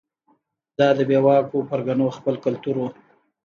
دا د بې واکو پرګنو خپل کلتور و.